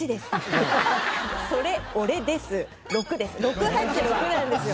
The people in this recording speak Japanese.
６・８・６なんですよ。